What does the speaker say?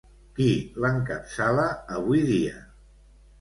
Qui l'encapçala avui dia?